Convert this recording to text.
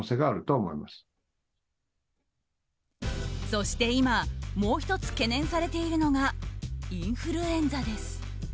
そして今、もう１つ懸念されているのがインフルエンザです。